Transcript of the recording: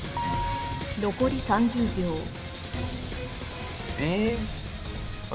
残り３０秒えあっ